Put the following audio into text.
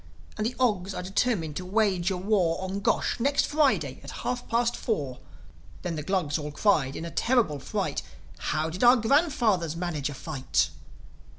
And the Ogs are determined to wage a war On Gosh, next Friday, at half past four." Then the Glugs all cried, in a terrible fright, "How did our grandfathers manage a fight?"